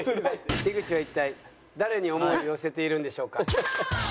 井口は一体誰に思いを寄せているんでしょうか。